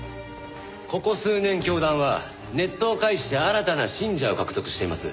ここ数年教団はネットを介して新たな信者を獲得しています。